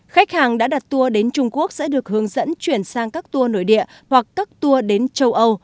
khách hàng đã đặt tour đến trung quốc sẽ được hướng dẫn chuyển sang các tour nội địa hoặc các tour đến châu âu